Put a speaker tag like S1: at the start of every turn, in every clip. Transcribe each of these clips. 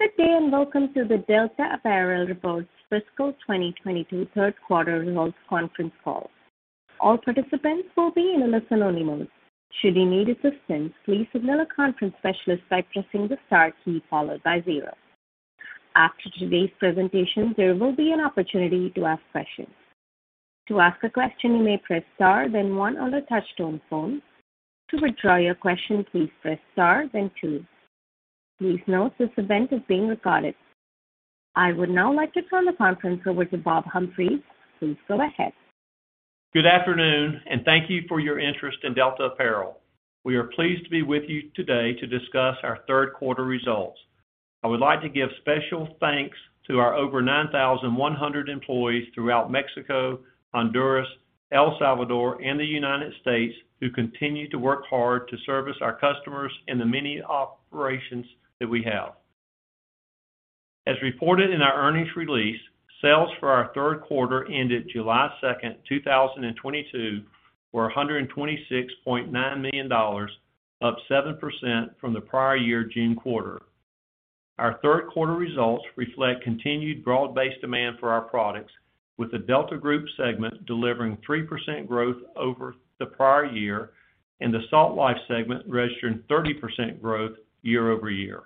S1: Good day, and welcome to the Delta Apparel Reports Fiscal 2022 Third Quarter Results Conference Call. All participants will be in a listen-only mode. Should you need assistance, please signal a conference specialist by pressing the star key followed by zero. After today's presentation, there will be an opportunity to ask questions. To ask a question, you may press star then one on the touchtone phone. To withdraw your question, please press star then two. Please note this event is being recorded. I would now like to turn the conference over to Robert W. Humphreys. Please go ahead.
S2: Good afternoon, and thank you for your interest in Delta Apparel. We are pleased to be with you today to discuss our third quarter results. I would like to give special thanks to our over 9,100 employees throughout Mexico, Honduras, El Salvador, and the United States, who continue to work hard to service our customers in the many operations that we have. As reported in our earnings release, sales for our third quarter ended July 2, 2022 were $126.9 million, up 7% from the prior-year June quarter. Our third quarter results reflect continued broad-based demand for our products with the Delta Group segment delivering 3% growth over the prior year and the Salt Life segment registering 30% growth year-over-year.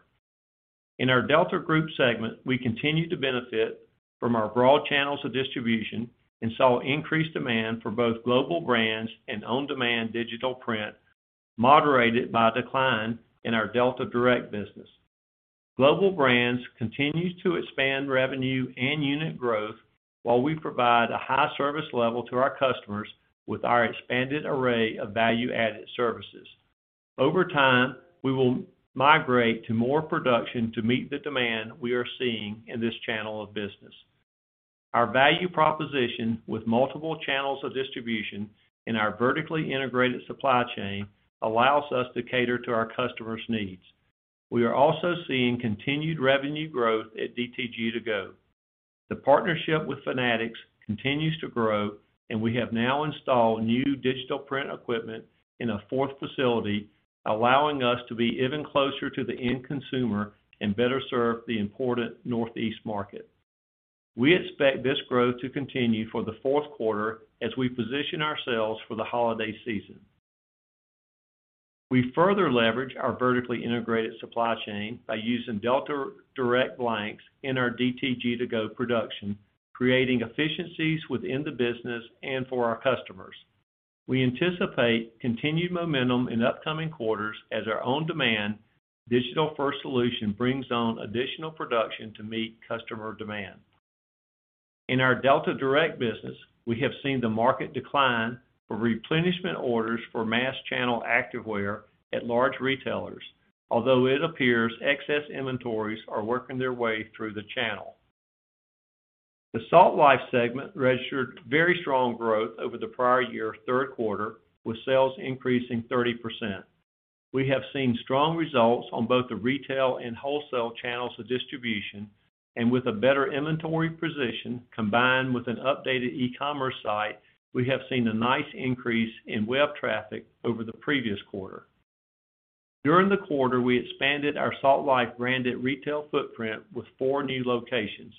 S2: In our Delta Group segment, we continue to benefit from our broad channels of distribution and saw increased demand for both Global Brands and on-demand digital print, moderated by a decline in our Delta Direct business. Global Brands continues to expand revenue and unit growth while we provide a high service level to our customers with our expanded array of value-added services. Over time, we will migrate to more production to meet the demand we are seeing in this channel of business. Our value proposition with multiple channels of distribution in our vertically integrated supply chain allows us to cater to our customers' needs. We are also seeing continued revenue growth at DTG2Go. The partnership with Fanatics continues to grow, and we have now installed new digital print equipment in a fourth facility, allowing us to be even closer to the end consumer and better serve the important Northeast market. We expect this growth to continue for the fourth quarter as we position ourselves for the holiday season. We further leverage our vertically integrated supply chain by using Delta Direct blanks in our DTG2Go production, creating efficiencies within the business and for our customers. We anticipate continued momentum in upcoming quarters as our on-demand Digital First solution brings on additional production to meet customer demand. In our Delta Direct business, we have seen the market decline for replenishment orders for mass channel activewear at large retailers, although it appears excess inventories are working their way through the channel. The Salt Life segment registered very strong growth over the prior year third quarter, with sales increasing 30%. We have seen strong results on both the retail and wholesale channels of distribution, and with a better inventory position combined with an updated e-commerce site, we have seen a nice increase in web traffic over the previous quarter. During the quarter, we expanded our Salt Life branded retail footprint with four new locations.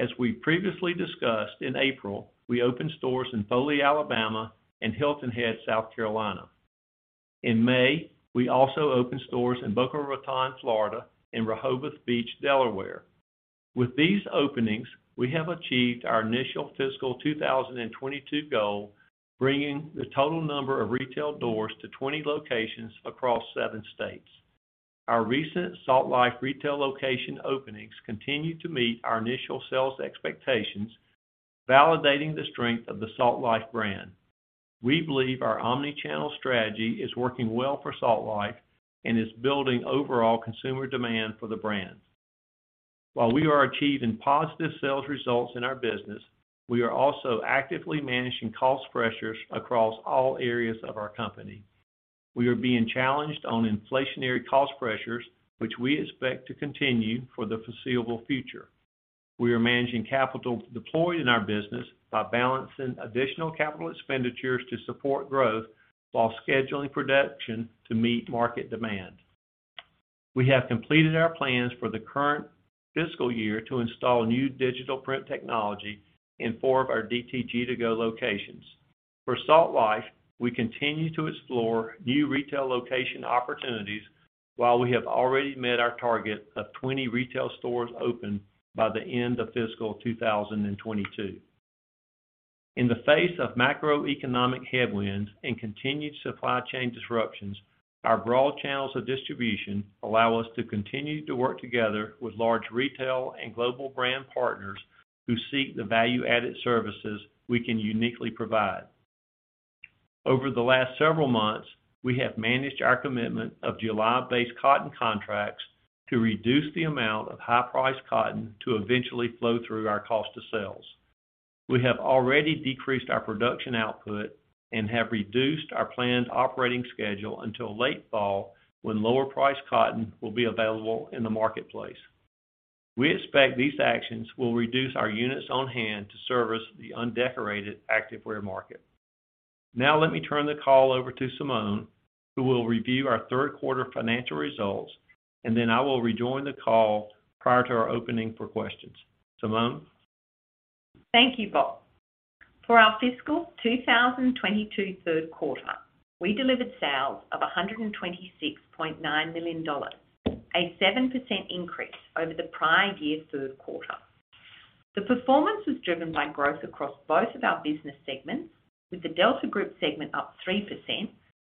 S2: As we previously discussed in April, we opened stores in Foley, Alabama, and Hilton Head, South Carolina. In May, we also opened stores in Boca Raton, Florida, and Rehoboth Beach, Delaware. With these openings, we have achieved our initial fiscal 2022 goal, bringing the total number of retail doors to 20 locations across seven states. Our recent Salt Life retail location openings continue to meet our initial sales expectations, validating the strength of the Salt Life brand. We believe our omni-channel strategy is working well for Salt Life and is building overall consumer demand for the brand. While we are achieving positive sales results in our business, we are also actively managing cost pressures across all areas of our company. We are being challenged on inflationary cost pressures, which we expect to continue for the foreseeable future. We are managing capital deployed in our business by balancing additional capital expenditures to support growth while scheduling production to meet market demand. We have completed our plans for the current fiscal year to install new digital print technology in four of our DTG2Go locations. For Salt Life, we continue to explore new retail location opportunities while we have already met our target of 20 retail stores open by the end of fiscal 2022. In the face of macroeconomic headwinds and continued supply chain disruptions, our broad channels of distribution allow us to continue to work together with large retail and global brand partners who seek the value-added services we can uniquely provide. Over the last several months, we have managed our commitment of July base cotton contracts to reduce the amount of high-priced cotton to eventually flow through our cost of sales. We have already decreased our production output and have reduced our planned operating schedule until late fall, when lower priced cotton will be available in the marketplace. We expect these actions will reduce our units on hand to service the undecorated activewear market. Now let me turn the call over to Simone, who will review our third quarter financial results, and then I will rejoin the call prior to our opening for questions. Simone?
S3: Thank you, Bob. For our fiscal 2022 third quarter, we delivered sales of $126.9 million, a 7% increase over the prior year third quarter. The performance was driven by growth across both of our business segments, with the Delta Group segment up 3%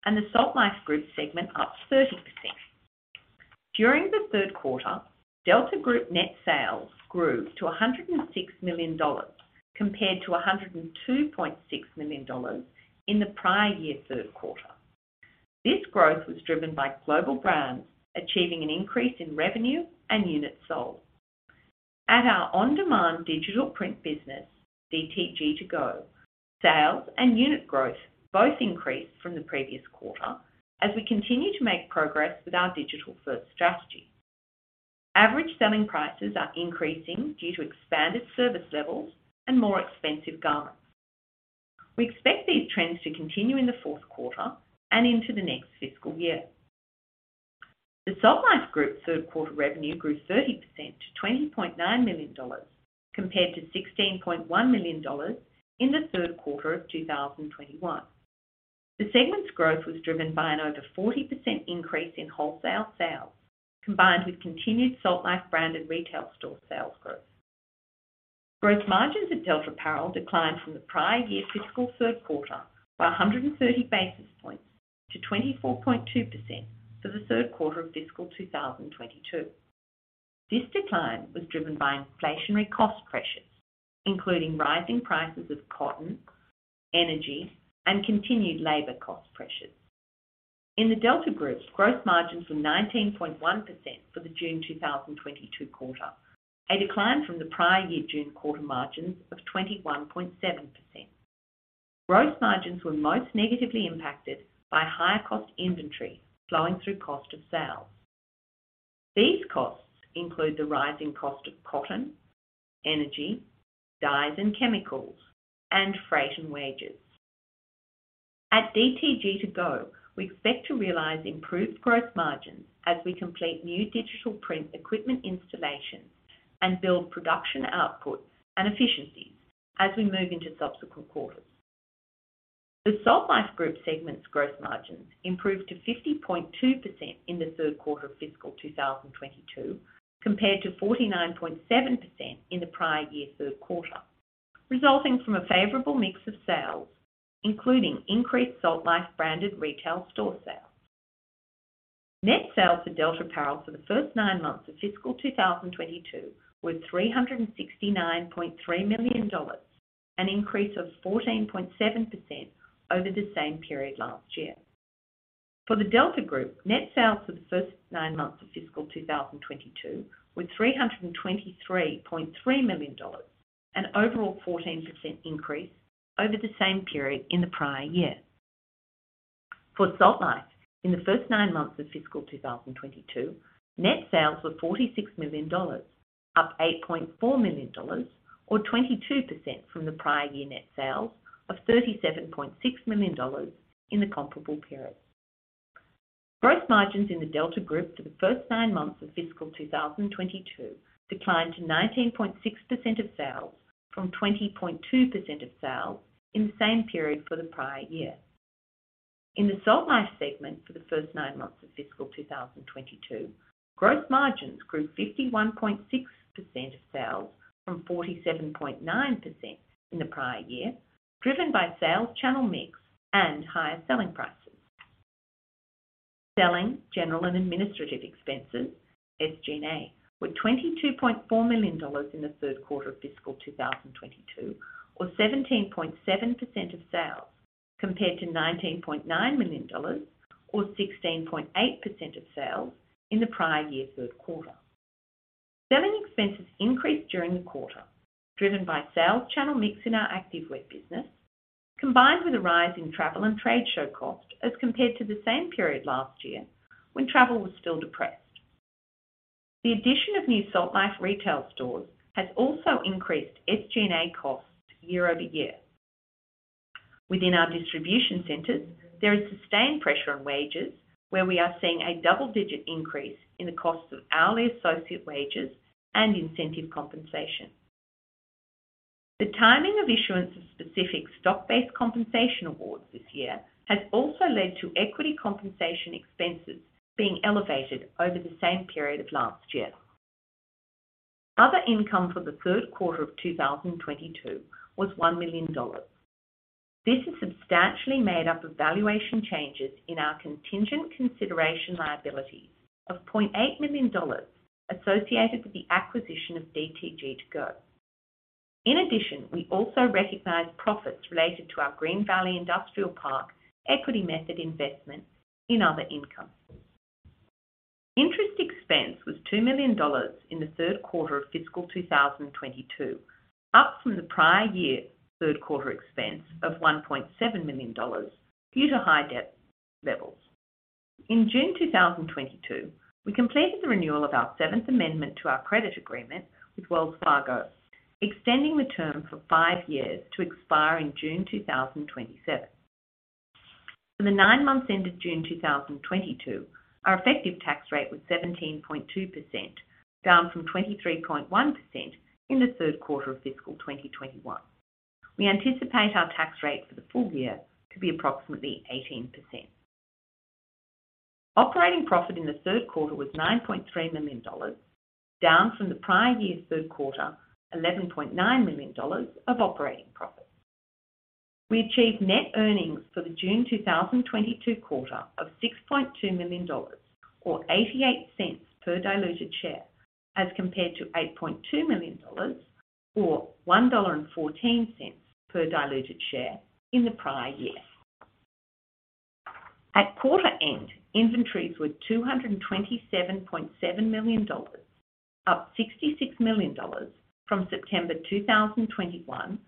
S3: and the Salt Life Group segment up 30%. During the third quarter, Delta Group net sales grew to $106 million compared to $102.6 million in the prior year third quarter. This growth was driven by Global Brands achieving an increase in revenue and units sold. At our on-demand digital print business, DTG2Go, sales and unit growth both increased from the previous quarter as we continue to make progress with our Digital First strategy. Average selling prices are increasing due to expanded service levels and more expensive garments. We expect these trends to continue in the fourth quarter and into the next fiscal year. The Salt Life Group third quarter revenue grew 30% to $20.9 million compared to $16.1 million in the third quarter of 2021. The segment's growth was driven by an over 40% increase in wholesale sales, combined with continued Salt Life branded retail store sales growth. Gross margins at Delta Apparel declined from the prior year fiscal third quarter by 130 basis points to 24.2% for the third quarter of fiscal 2022. This decline was driven by inflationary cost pressures, including rising prices of cotton, energy, and continued labor cost pressures. In the Delta Group's gross margins were 19.1% for the June 2022 quarter, a decline from the prior year June quarter margins of 21.7%. Gross margins were most negatively impacted by higher cost inventory flowing through cost of sales. These costs include the rising cost of cotton, energy, dyes and chemicals, and freight, and wages. At DTG2Go, we expect to realize improved gross margins as we complete new digital print equipment installations and build production outputs and efficiencies as we move into subsequent quarters. The Salt Life Group segment's gross margins improved to 50.2% in the third quarter of fiscal 2022, compared to 49.7% in the prior year third quarter, resulting from a favorable mix of sales, including increased Salt Life branded retail store sales. Net sales for Delta Apparel for the first nine months of fiscal 2022 were $369.3 million, an increase of 14.7% over the same period last year. For the Delta Group, net sales for the first nine months of fiscal 2022 were $323.3 million, an overall 14% increase over the same period in the prior year. For Salt Life, in the first nine months of fiscal 2022, net sales were $46 million, up $8.4 million or 22% from the prior year net sales of $37.6 million in the comparable period. Gross margins in the Delta Group for the first nine months of fiscal 2022 declined to 19.6% of sales from 20.2% of sales in the same period for the prior year. In the Salt Life segment for the first nine months of fiscal 2022, gross margins grew 51.6% of sales from 47.9% in the prior year, driven by sales channel mix and higher selling prices. Selling, general, and administrative expenses, SG&A, were $22.4 million in the third quarter of fiscal 2022 or 17.7% of sales, compared to $19.9 million or 16.8% of sales in the prior year third quarter. Selling expenses increased during the quarter, driven by sales channel mix in our activewear business, combined with a rise in travel and trade show cost as compared to the same period last year when travel was still depressed. The addition of new Salt Life retail stores has also increased SG&A costs year-over-year. Within our distribution centers, there is sustained pressure on wages, where we are seeing a double-digit increase in the costs of hourly associate wages and incentive compensation. The timing of issuance of specific stock-based compensation awards this year has also led to equity compensation expenses being elevated over the same period of last year. Other income for the third quarter of 2022 was $1 million. This is substantially made up of valuation changes in our contingent consideration liability of $0.8 million associated with the acquisition of DTG2Go. In addition, we also recognized profits related to our Green Valley Industrial Park equity method investment in other income. Interest expense was $2 million in the third quarter of fiscal 2022, up from the prior year third quarter expense of $1.7 million due to high debt levels. In June 2022, we completed the renewal of our seventh amendment to our credit agreement with Wells Fargo, extending the term for five years to expire in June 2027. For the nine months ended June 2022, our effective tax rate was 17.2%, down from 23.1% in the third quarter of fiscal 2021. We anticipate our tax rate for the full year to be approximately 18%. Operating profit in the third quarter was $9.3 million, down from the prior year's third quarter, $11.9 million of operating profit. We achieved net earnings for the June 2022 quarter of $6.2 million or $0.88 per diluted share, as compared to $8.2 million or $1.14 per diluted share in the prior year. At quarter end, inventories were $227.7 million, up $66 million from September 2021,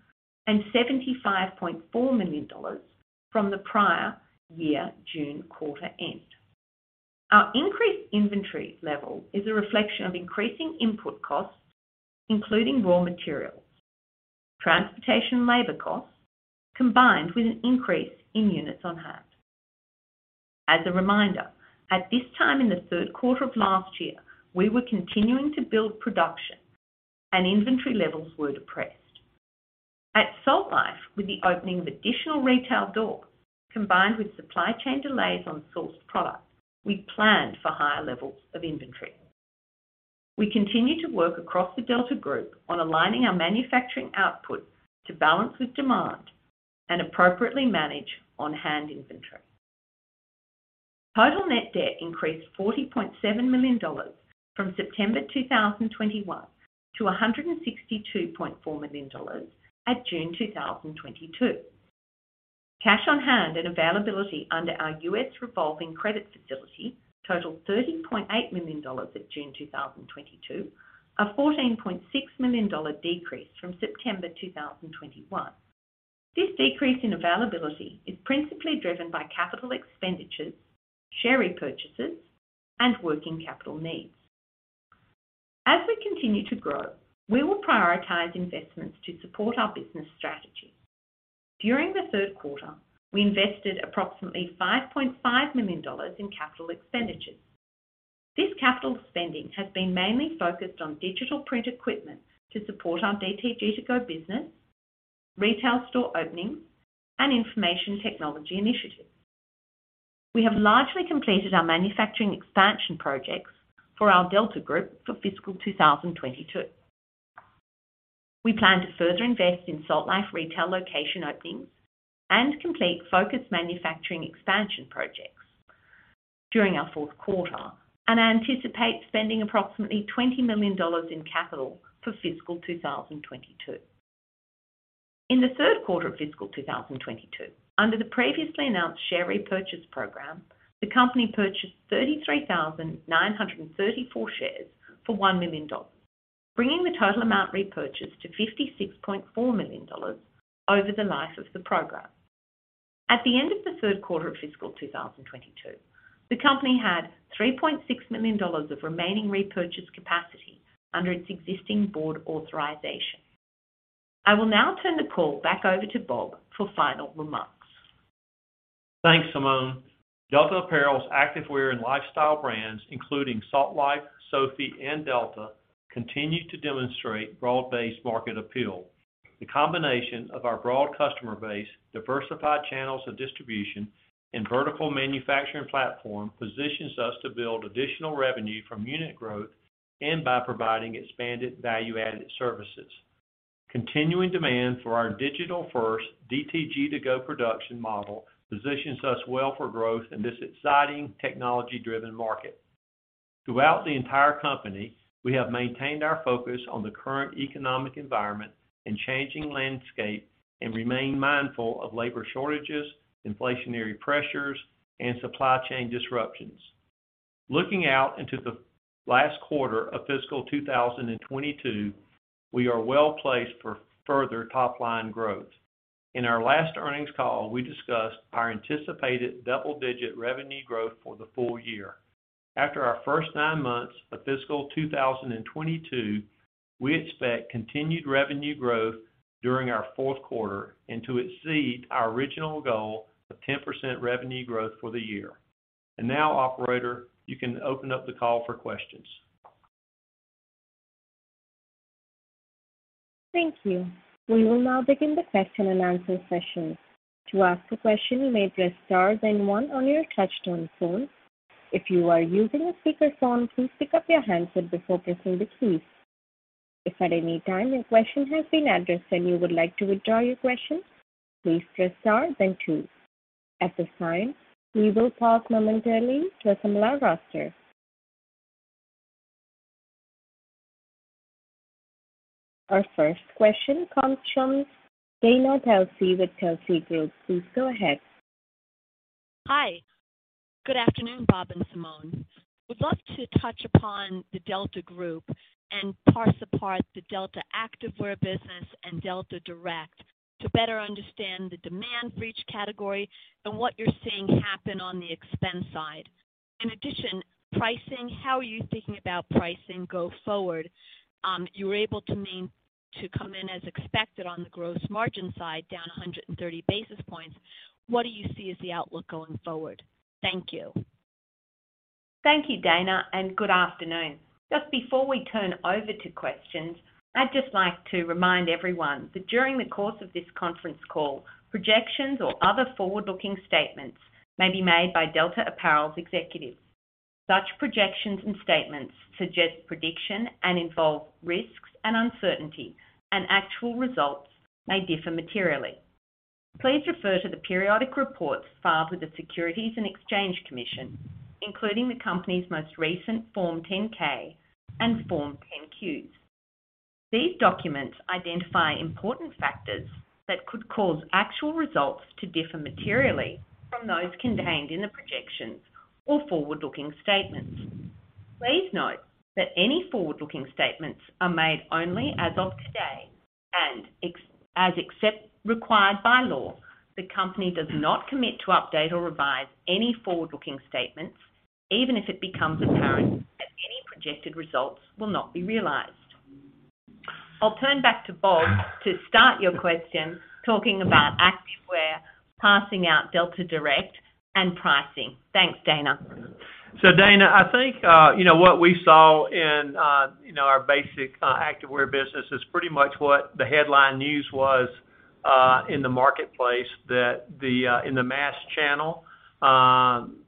S3: and $75.4 million from the prior year, June quarter end. Our increased inventory level is a reflection of increasing input costs, including raw materials, transportation, labor costs, combined with an increase in units on hand. As a reminder, at this time in the third quarter of last year, we were continuing to build production and inventory levels were depressed. At Salt Life, with the opening of additional retail doors, combined with supply chain delays on sourced products, we planned for higher levels of inventory. We continue to work across the Delta Group on aligning our manufacturing output to balance with demand and appropriately manage on-hand inventory. Total net debt increased $40.7 million from September 2021 to $162.4 million at June 2022. Cash on hand and availability under our U.S. revolving credit facility totaled $13.8 million at June 2022, a $14.6 million decrease from September 2021. This decrease in availability is principally driven by capital expenditures, share repurchases, and working capital needs. As we continue to grow, we will prioritize investments to support our business strategy. During the third quarter, we invested approximately $5.5 million in capital expenditures. This capital spending has been mainly focused on digital print equipment to support our DTG2Go business, retail store openings, and information technology initiatives. We have largely completed our manufacturing expansion projects for our Delta Group for fiscal 2022. We plan to further invest in Salt Life retail location openings and complete focused manufacturing expansion projects during our fourth quarter. I anticipate spending approximately $20 million in capital for fiscal 2022. In the third quarter of fiscal 2022, under the previously announced share repurchase program, the company purchased 33,934 shares for $1 million, bringing the total amount repurchased to $56.4 million over the life of the program. At the end of the third quarter of fiscal 2022, the company had $3.6 million of remaining repurchase capacity under its existing board authorization. I will now turn the call back over to Bob for final remarks.
S2: Thanks, Simone. Delta Apparel's activewear and lifestyle brands, including Salt Life, Soffe, and Delta, continue to demonstrate broad-based market appeal. The combination of our broad customer base, diversified channels of distribution, and vertical manufacturing platform positions us to build additional revenue from unit growth and by providing expanded value-added services. Continuing demand for our Digital First DTG2Go production model positions us well for growth in this exciting technology-driven market. Throughout the entire company, we have maintained our focus on the current economic environment and changing landscape, and remain mindful of labor shortages, inflationary pressures, and supply chain disruptions. Looking out into the last quarter of fiscal 2022, we are well-placed for further top-line growth. In our last earnings call, we discussed our anticipated double-digit revenue growth for the full year. After our first nine months of fiscal 2022, we expect continued revenue growth during our fourth quarter and to exceed our original goal of 10% revenue growth for the year. Now, operator, you can open up the call for questions.
S1: Thank you. We will now begin the question and answer session. To ask a question, you may press star, then one on your touchtone phone. If you are using a speakerphone, please pick up your handset before pressing the keys. If at any time your question has been addressed and you would like to withdraw your question, please press star, then two. At this time, we will pause momentarily to assemble our roster. Our first question comes from Dana Telsey with Telsey Advisory Group. Please go ahead.
S4: Hi. Good afternoon, Bob and Simone. Would love to touch upon the Delta Group and parse apart the Delta Activewear business and Delta Direct to better understand the demand for each category and what you're seeing happen on the expense side. In addition, pricing, how are you thinking about pricing going forward? You were able to come in as expected on the gross margin side, down 130 basis points. What do you see as the outlook going forward? Thank you.
S3: Thank you, Dana, and good afternoon. Just before we turn over to questions, I'd just like to remind everyone that during the course of this conference call, projections or other forward-looking statements may be made by Delta Apparel's executives. Such projections and statements suggest prediction and involve risks and uncertainty, and actual results may differ materially. Please refer to the periodic reports filed with the Securities and Exchange Commission, including the company's most recent Form 10-K and Form 10-Q. These documents identify important factors that could cause actual results to differ materially from those contained in the projections or forward-looking statements. Please note that any forward-looking statements are made only as of today, and except as required by law, the Company does not commit to update or revise any forward-looking statements, even if it becomes apparent that any projected results will not be realized. I'll turn back to Bob to start your question, talking about activewear, parsing out Delta Direct and pricing. Thanks, Dana.
S2: Dana, I think you know what we saw in you know our basic activewear business is pretty much what the headline news was in the marketplace that in the mass channel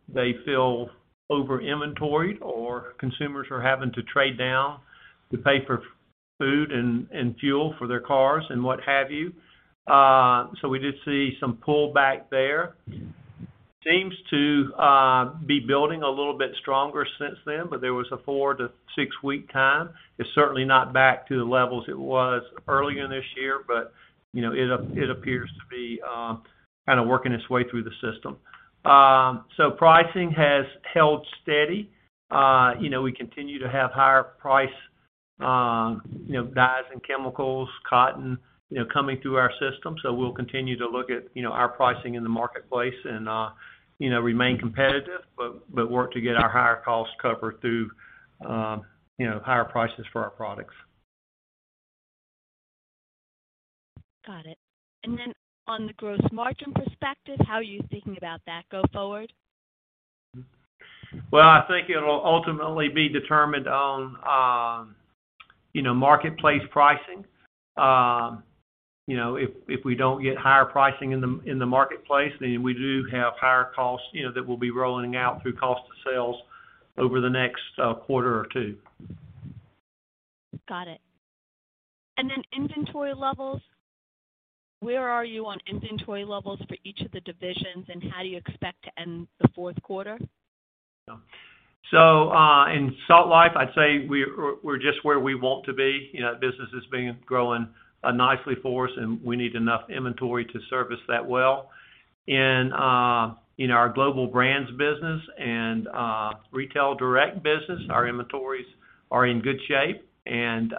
S2: they feel over-inventoried or consumers are having to trade down to pay for food and fuel for their cars and what have you. We did see some pullback there. Seems to be building a little bit stronger since then, but there was a four to six week time. It's certainly not back to the levels it was earlier this year, but you know it appears to be kind of working its way through the system. Pricing has held steady. You know we continue to have higher-priced dyes and chemicals, cotton you know coming through our system. We'll continue to look at, you know, our pricing in the marketplace and, you know, remain competitive, but work to get our higher costs covered through, you know, higher prices for our products.
S4: Got it. On the gross margin perspective, how are you thinking about that go forward?
S2: Well, I think it'll ultimately be determined on, you know, marketplace pricing. You know, if we don't get higher pricing in the marketplace, then we do have higher costs, you know, that we'll be rolling out through cost of sales over the next quarter or two.
S4: Got it. Inventory levels, where are you on inventory levels for each of the divisions, and how do you expect to end the fourth quarter?
S2: In Salt Life, I'd say we're just where we want to be. You know, that business has been growing nicely for us, and we need enough inventory to service that well. In our Global Brands business and Retail Direct business, our inventories are in good shape and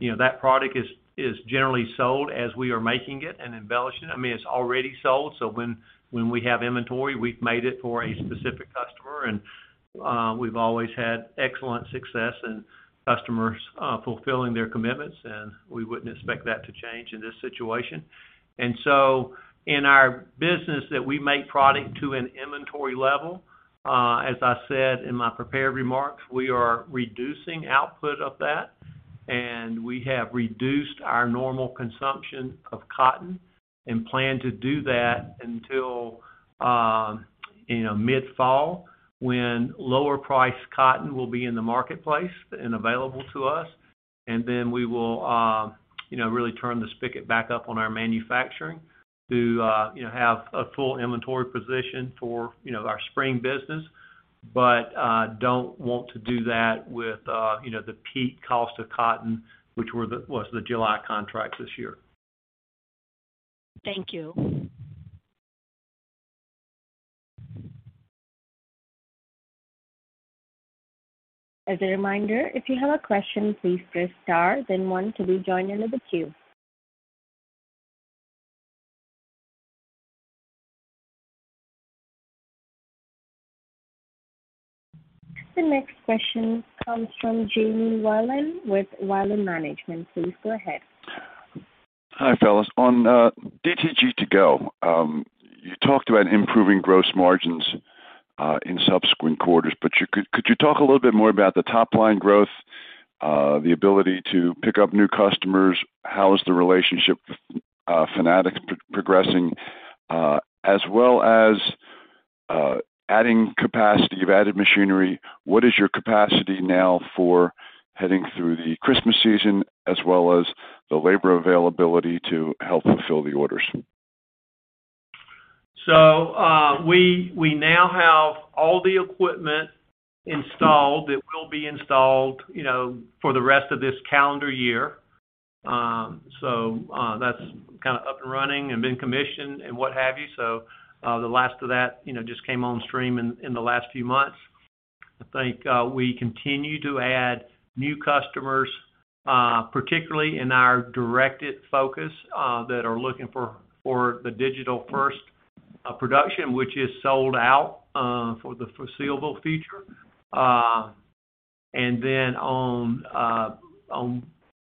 S2: you know, that product is generally sold as we are making it and embellishing it. I mean, it's already sold. When we have inventory, we've made it for a specific customer, and we've always had excellent success in customers fulfilling their commitments, and we wouldn't expect that to change in this situation. In our business that we make product to an inventory level, as I said in my prepared remarks, we are reducing output of that, and we have reduced our normal consumption of cotton and plan to do that until, you know, mid-fall when lower priced cotton will be in the marketplace and available to us. Then we will, you know, really turn the spigot back up on our manufacturing to, you know, have a full inventory position for, you know, our spring business. Don't want to do that with, you know, the peak cost of cotton, which was the July contract this year.
S4: Thank you.
S1: As a reminder, if you have a question, please press star then one to be joined into the queue. The next question comes from Jamie Wilen with Wilen Management. Please go ahead.
S5: Hi, fellas. On DTG2Go, you talked about improving gross margins in subsequent quarters, but could you talk a little bit more about the top-line growth, the ability to pick up new customers? How is the relationship with Fanatics progressing? As well as adding capacity. You've added machinery. What is your capacity now for heading through the Christmas season as well as the labor availability to help fulfill the orders?
S2: We now have all the equipment installed that will be installed, you know, for the rest of this calendar year. That's kind of up and running and been commissioned and what have you. The last of that, you know, just came on stream in the last few months. I think we continue to add new customers, particularly in our DTG focus, that are looking for the Digital First production, which is sold out for the foreseeable future. And then on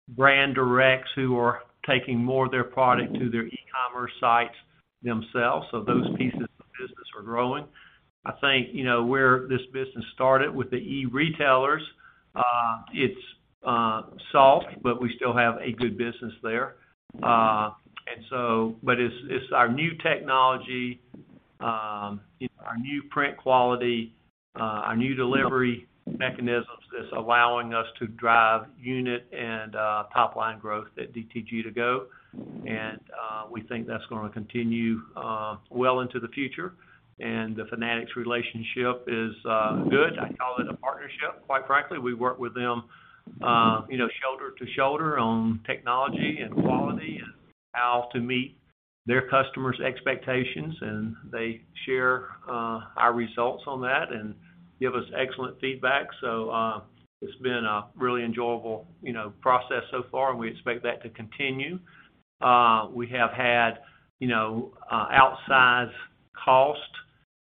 S2: brand directs who are taking more of their product to their e-commerce sites themselves. Those pieces of the business are growing. I think, you know, where this business started with the e-retailers, it's soft, but we still have a good business there. It's our new technology, our new print quality, our new delivery mechanisms that's allowing us to drive unit and top-line growth at DTG2Go. We think that's gonna continue well into the future. The Fanatics relationship is good. I call it a partnership, quite frankly. We work with them, you know, shoulder to shoulder on technology and quality and how to meet their customers' expectations, and they share our results on that and give us excellent feedback. It's been a really enjoyable, you know, process so far, and we expect that to continue. We have had, you know, outsized cost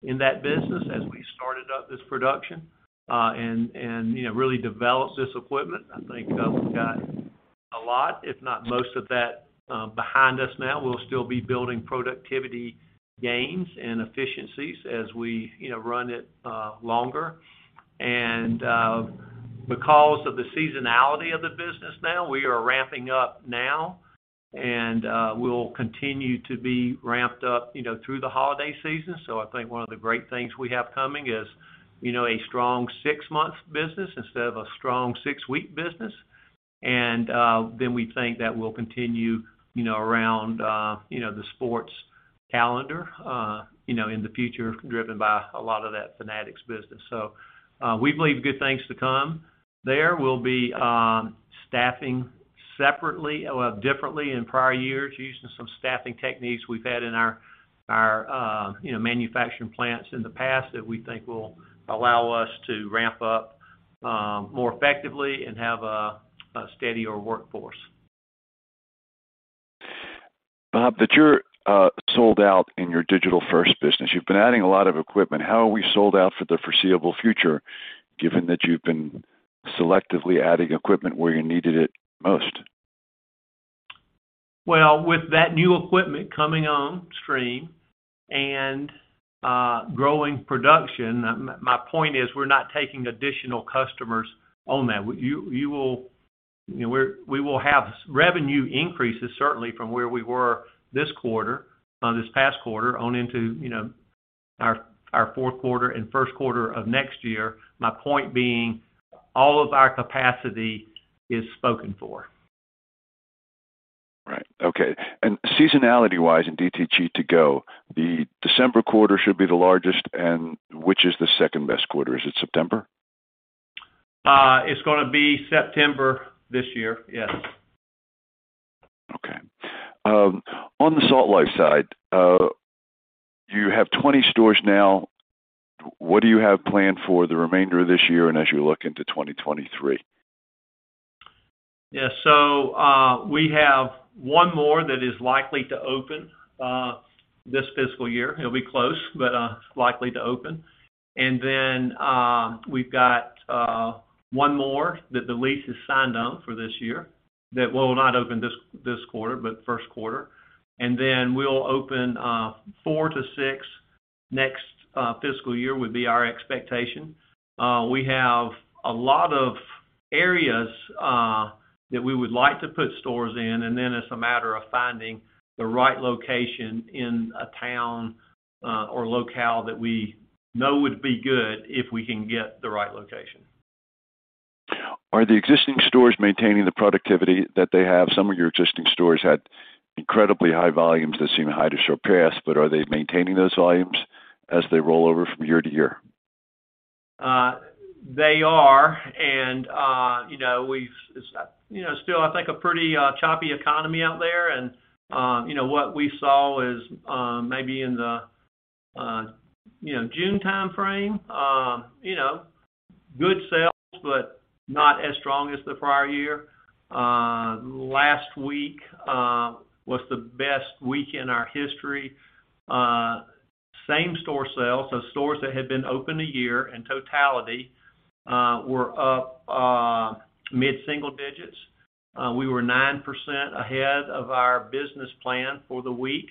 S2: in that business as we started up this production, and you know, really developed this equipment. I think we've got a lot, if not most of that, behind us now. We'll still be building productivity gains and efficiencies as we, you know, run it longer. Because of the seasonality of the business now, we are ramping up now, and we'll continue to be ramped up, you know, through the holiday season. I think one of the great things we have coming is, you know, a strong six-month business instead of a strong six-week business. We think that we'll continue, you know, around, you know, the sports calendar, you know, in the future, driven by a lot of that Fanatics business. We believe good things to come. There we'll be staffing separately, differently in prior years, using some staffing techniques we've had in our you know, manufacturing plants in the past that we think will allow us to ramp up more effectively and have a steadier workforce.
S5: Bob, are you sold out in your Digital First business? You've been adding a lot of equipment. How are you sold out for the foreseeable future, given that you've been selectively adding equipment where you needed it most?
S2: Well, with that new equipment coming on stream and growing production, my point is we're not taking additional customers on that. You know, we will have revenue increases, certainly from where we were this quarter, this past quarter on into, you know, our fourth quarter and first quarter of next year. My point being all of our capacity is spoken for.
S5: Right. Okay. Seasonality-wise in DTG2Go, the December quarter should be the largest, and which is the second-best quarter? Is it September?
S2: It's gonna be September this year, yes.
S5: On the Salt Life side, you have 20 stores now. What do you have planned for the remainder of this year and as you look into 2023?
S2: Yeah. We have one more that is likely to open this fiscal year. It'll be close, but likely to open. Then we've got one more that the lease is signed on for this year that will not open this quarter, but first quarter. Then we'll open four to six next fiscal year would be our expectation. We have a lot of areas that we would like to put stores in, and then it's a matter of finding the right location in a town or locale that we know would be good if we can get the right location.
S5: Are the existing stores maintaining the productivity that they have? Some of your existing stores had incredibly high volumes that seem high to surpass, but are they maintaining those volumes as they roll over from year to year?
S2: They are, and you know, it's still, I think, a pretty choppy economy out there. You know, what we saw is maybe in the June timeframe, you know, good sales, but not as strong as the prior year. Last week was the best week in our history. Same store sales, so stores that had been open a year in totality, were up mid-single digits. We were 9% ahead of our business plan for the week.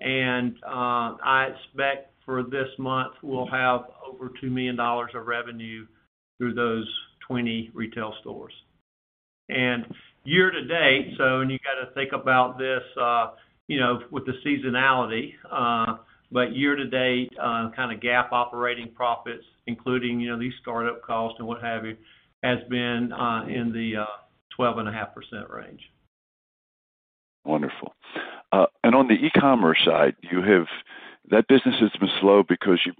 S2: I expect for this month we'll have over $2 million of revenue through those 20 retail stores. Year to date, you gotta think about this, you know, with the seasonality, but year to date, kinda GAAP operating profits, including, you know, these startup costs and what have you, has been in the 12.5% range.
S5: Wonderful. On the e-commerce side, that business has been slow because you've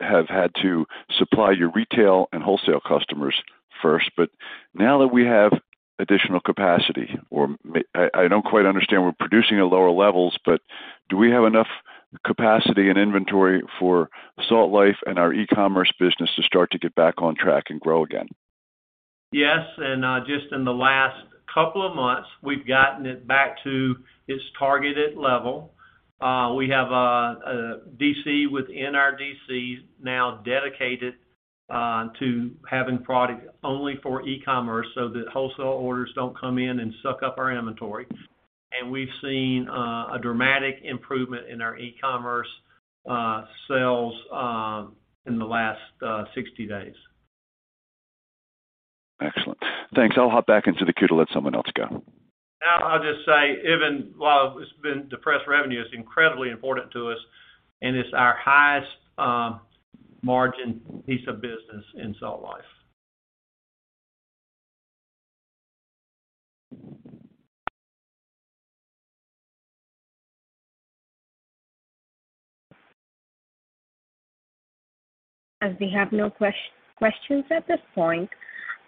S5: had to supply your retail and wholesale customers first. Now that we have additional capacity, I don't quite understand, we're producing at lower levels, but do we have enough capacity and inventory for Salt Life and our e-commerce business to start to get back on track and grow again?
S2: Yes. Just in the last couple of months, we've gotten it back to its targeted level. We have a DC within our DCs now dedicated to having product only for e-commerce so that wholesale orders don't come in and suck up our inventory. We've seen a dramatic improvement in our e-commerce sales in the last 60 days.
S5: Excellent. Thanks. I'll hop back into the queue to let someone else go.
S2: Now I'll just say, even while it's been depressed revenue, it's incredibly important to us, and it's our highest, margin piece of business in Salt Life.
S1: As we have no questions at this point,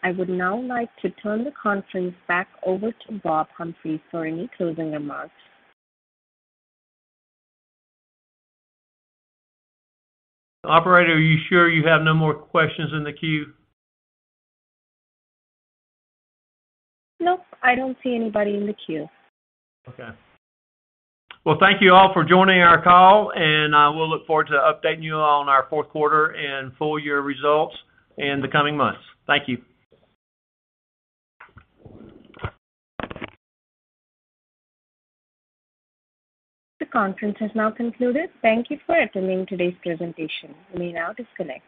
S1: I would now like to turn the conference back over to Bob Humphreys for any closing remarks.
S2: Operator, are you sure you have no more questions in the queue?
S1: Nope. I don't see anybody in the queue.
S2: Okay. Well, thank you all for joining our call, and we'll look forward to updating you on our fourth quarter and full year results in the coming months. Thank you.
S1: The conference has now concluded. Thank you for attending today's presentation. You may now disconnect.